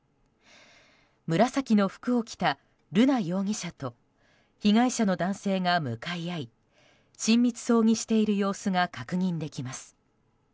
紫の服を着た瑠奈容疑者と被害者の男性が向かい合い親密そうにしている様子が確認できます。